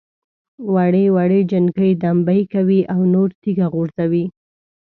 وړې وړې جنکۍ دمبۍ کوي او نور تیږه غورځوي.